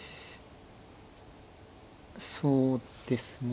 そうですね。